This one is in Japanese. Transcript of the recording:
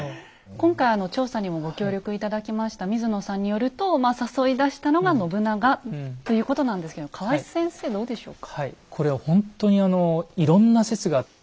今回調査にもご協力頂きました水野さんによるとまあ誘い出したのが信長ということなんですけど河合先生どうでしょうか？